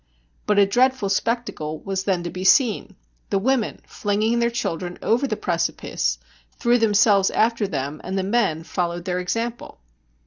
But a dreadful spectacle was then to be seen; for the women, flinging their children over the precipice, threw themselves after them ; and the men followed their example